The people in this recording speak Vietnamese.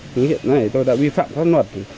nhưng hiện nay tôi đã vi phạm pháp luật